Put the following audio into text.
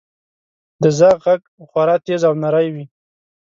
• د زاغ ږغ خورا تیز او نری وي.